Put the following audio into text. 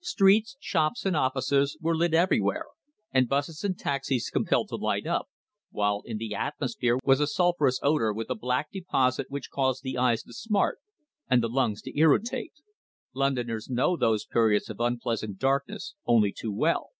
Streets, shops, and offices were lit everywhere, and buses and taxis compelled to light up, while in the atmosphere was a sulphurous odour with a black deposit which caused the eyes to smart and the lungs to irritate. Londoners know those periods of unpleasant darkness only too well.